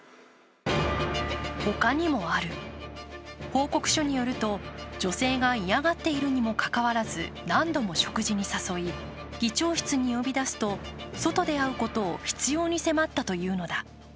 報告書によると、女性が嫌がっているにもかかわらず何度も食事に誘い、議長室に呼び出すと、外で会うことを執ように迫ったというのだ。